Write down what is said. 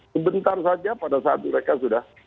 sebentar saja pada saat mereka sudah